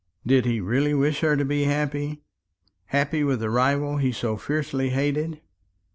Did he really wish her to be happy happy with the rival he so fiercely hated?